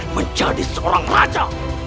menjadi seorang raja